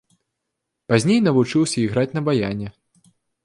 Пазней навучыўся іграць на баяне.